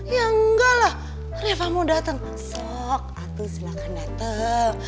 ya nggak lah reva mau datang sok atul silahkan datang